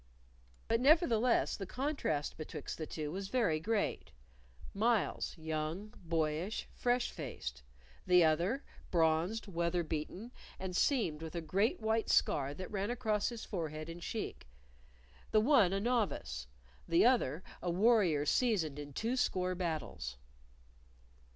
But nevertheless the contrast betwixt the two was very great Myles, young, boyish, fresh faced; the other, bronzed, weather beaten, and seamed with a great white scar that ran across his forehead and cheek; the one a novice, the other a warrior seasoned in twoscore battles.